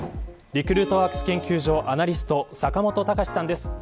リクルートワークス研究所アナリスト坂本貴志さんです。